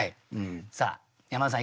さあ山田さん